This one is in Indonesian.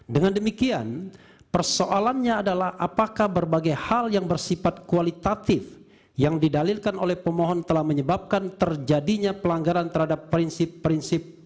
dengan demikian persoalannya adalah apakah berbagai hal yang bersifat kualitatif yang didalilkan oleh pemohon telah menyebabkan terjadinya pelanggaran terhadap prinsip prinsip